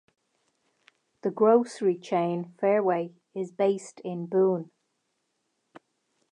The grocery chain Fareway is based in Boone.